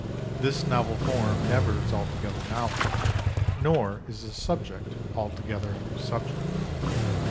This novel form never is altogether novel, nor is the subject altogether a new subject.